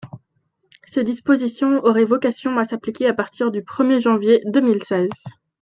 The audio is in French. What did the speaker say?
Ces dispositions auraient vocation à s’appliquer à partir du premier janvier deux mille seize.